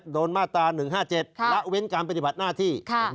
มาตรา๑๕๗ละเว้นการปฏิบัติหน้าที่